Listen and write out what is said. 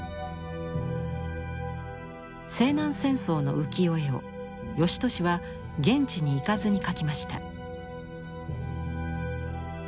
西南戦争の浮世絵を芳年は現地に行かずに描きました。